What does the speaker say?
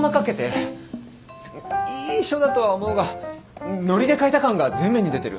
いい書だとは思うがノリで書いた感が前面に出てる。